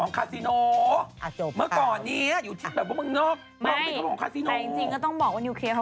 นี่นี่พอเขาเลื่อยมา